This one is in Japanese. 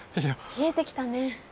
冷えてきたね。